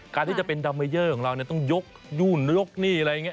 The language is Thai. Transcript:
การที่จะเป็นดัมเมเยอร์ของเราต้องยกนู่นยกนี่อะไรอย่างนี้